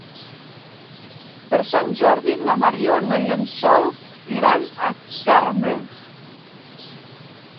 Per Sant Jordi na Mariona i en Sol iran a Carme.